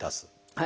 はい。